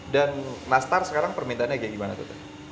dan nastar sekarang permintaannya kayak gimana tuh